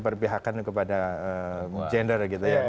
berpihakan kepada gender gitu ya